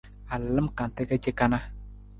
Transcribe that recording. A lalam kante ka ce kana.